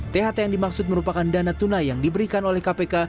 tht yang dimaksud merupakan dana tunai yang diberikan oleh kpk